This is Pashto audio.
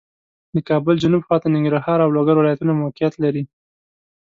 د کابل جنوب خواته ننګرهار او لوګر ولایتونه موقعیت لري